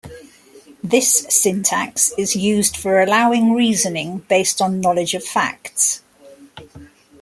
This syntax is used for allowing reasoning based on knowledge of facts.